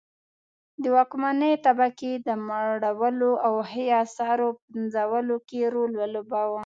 د واکمنې طبقې د مړولو او هي اثارو پنځولو کې رول ولوباوه.